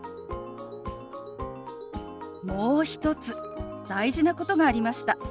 もう一つ大事なことがありました。